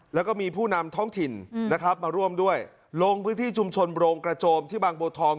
แล้วก็มีผู้นำท้องถิ่นนะครับมาร่วมด้วยลงพื้นที่ชุมชนโรงกระโจมที่บางบัวทอง